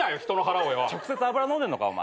直接油飲んでんのかお前。